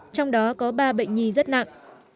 trong đó có ba bệnh nhi rất nặng